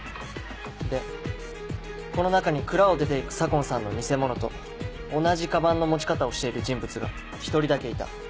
でこの中に蔵を出て行く左紺さんのニセモノと同じカバンの持ち方をしている人物が１人だけいた。